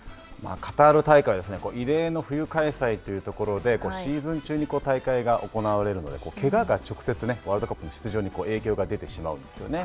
カタール大会は異例の冬開催というところで、シーズン中に大会が行われるのでけがが直接ワールドカップにワールドカップの出場に影響が出てしまうんですよね。